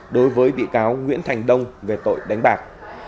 đối với bị cáo nguyễn thành đông về tội đánh bạc